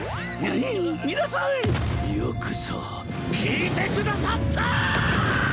皆さんよくぞ聞いてくださったぁ！